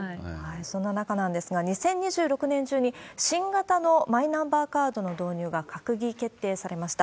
そんな中なんですが、２０２６年中に、新型のマイナンバーカードの導入が閣議決定されました。